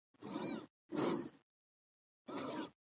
احمدشاه بابا د ملي یووالي سمبول ګڼل کېږي.